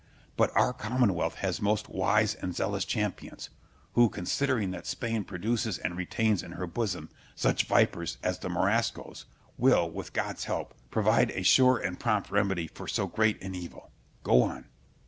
But our commonwealth has most wise and zealous champions, who, considering that Spain produces and retains in her bosom such vipers as the Moriscoes, will, with God's help, provide a sure and prompt remedy for so great an evil. Go on.